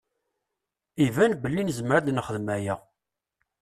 Iban belli nezmer ad nexdem aya.